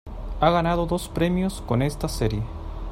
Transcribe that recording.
Ha ganado dos premios con esta serie.